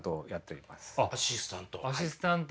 アシスタント。